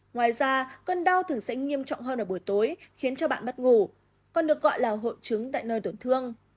ngoài ra cơn đau thường sẽ nghiêm trọng hơn ở buổi tối khiến cho bạn bất ngủ còn được gọi là hội chứng tại nơi tổn thương